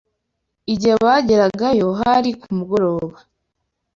Igihe bageragayo hari ku mugoroba.